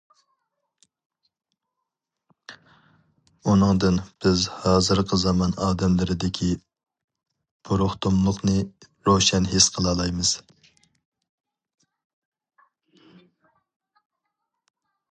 ئۇنىڭدىن بىز ھازىرقى زامان ئادەملىرىدىكى بۇرۇقتۇملۇقنى روشەن ھېس قىلالايمىز.